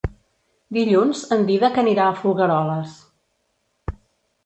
Dilluns en Dídac anirà a Folgueroles.